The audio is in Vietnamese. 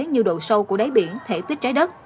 như độ sâu của đáy biển thể tích trái đất